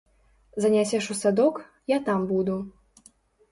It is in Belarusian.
Занясеш у садок, я там буду.